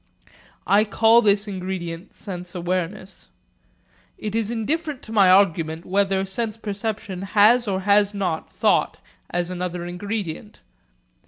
I call this ingredient sense awareness. It is indifferent to my argument whether sense perception has or has not thought as another ingredient.